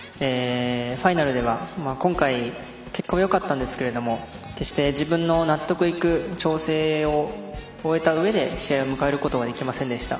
ファイナルでは今回結果はよかったんですけども決して自分の納得いく調整を終えたうえで、試合を迎えることはできませんでした。